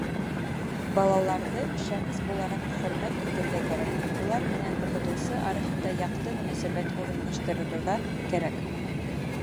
Балаларҙы шәхес булараҡ хөрмәт итәргә кәрәк, улар менән уҡытыусы араһында яҡты мөнәсәбәт урынлаштырырға кәрәк.